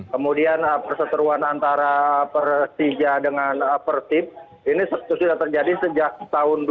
kemudian perseteruan antara persija dengan pertib ini sudah terjadi sejak tahun dua ribu